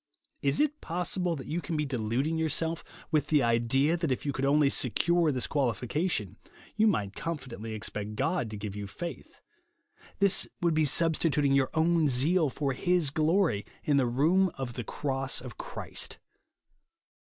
Is it possible that you can be deluding yourself with the idea that if you could only secure this qualification, you might confidently expect God to give you faith. This would be substituting your own zeal for his glory, in the room of the cross of Christ.